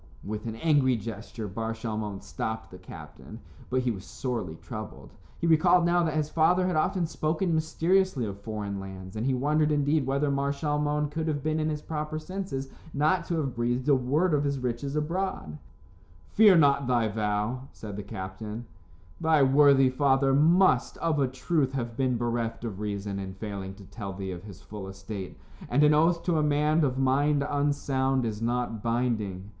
With an angry gesture Bar Shalmon stopped the captain, but he was sorely troubled. He recalled now that his father had often spoken mysteriously of foreign lands, and he wondered, indeed, whether Mar Shalmon could have been in his proper senses not to have breathed a word of his riches abroad. For days he discussed the matter with the captain, who at last persuaded him to make the journey. "Fear not thy vow," said the captain. "Thy worthy father must, of a truth, have been bereft of reason in failing to tell thee of his full estate, and an oath to a man of mind unsound is not binding.